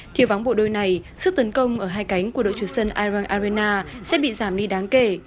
khi vắng bộ đôi này sức tấn công ở hai cánh của đội chủ sân iraq arena sẽ bị giảm đi đáng kể